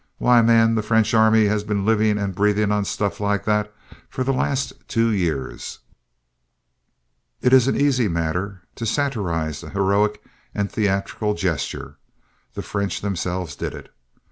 Why, man, the French army has been living and breathing on stuff like that for the last two years." It is an easy matter to satirize the heroic and theatrical gesture. The French themselves did it.